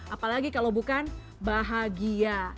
apalagi kalau bukan bahagia